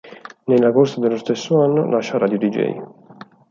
Nell'agosto dello stesso anno lascia Radio Deejay.